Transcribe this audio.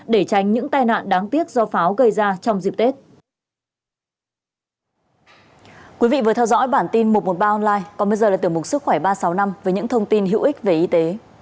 để tránh những tai nạn đáng tiếc do pháo gây ra trong dịp tết